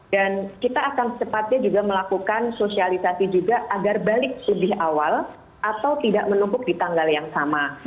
dan kita akan secepatnya juga melakukan sosialisasi juga agar balik lebih awal atau tidak menumpuk di tanggal yang sama